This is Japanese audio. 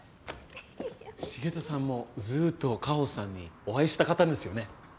繁田さんもずっと果帆さんにお会いしたかったんですよね？